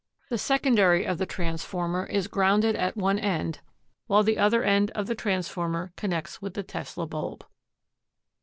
The secondary of the transformer is grounded at one end, while the other end of the transformer connects with the Tesla bulb.